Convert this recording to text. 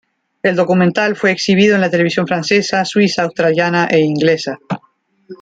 El documental fue exhibido en la televisión francesa, suiza, australiana e inglesa.